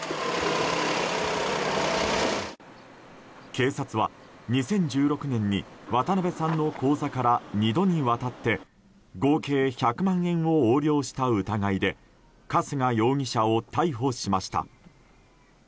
警察は２０１６年に渡辺さんの口座から２度にわたって合計１００万円を横領した疑いで春日容疑者を逮捕しました。